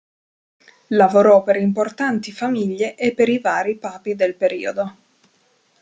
Lavorò per importanti famiglie e per i vari papi del periodo.